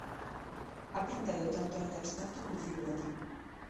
Ha pintado tanto arte abstracto como figurativo.